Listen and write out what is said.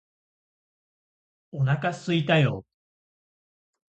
お腹すいたよーー